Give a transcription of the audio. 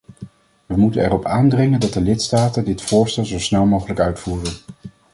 We moeten erop aandringen dat de lidstaten dit voorstel zo snel mogelijk uitvoeren.